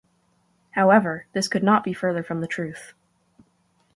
However, this could not be further from the truth.